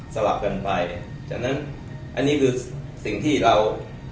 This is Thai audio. ลับกันไปฉะนั้นอันนี้คือสิ่งที่เรา